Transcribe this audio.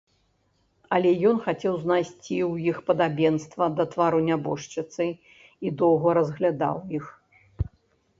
Але ён хацеў знайсці ў іх падабенства да твару нябожчыцы і доўга разглядаў іх.